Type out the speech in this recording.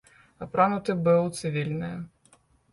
Апрануты быў у цывільнае.